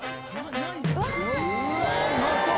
うわっうまそう！